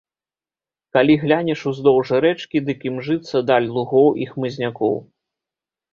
Калі глянеш уздоўж рэчкі, дык імжыцца даль лугоў і хмызнякоў.